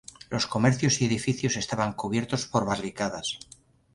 Los comercios y edificios estaban cubiertos por barricadas.